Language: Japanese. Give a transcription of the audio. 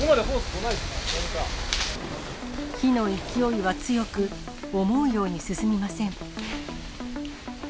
火の勢いは強く、思うように進みません。